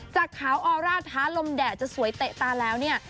จากขาวออร่าท้าลมแดดจะสวยเตะตาแล้วเนี่ย